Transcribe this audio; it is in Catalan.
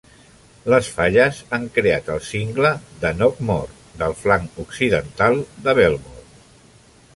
Les falles han creat el cingle de Knockmore del flanc occidental de Belmore.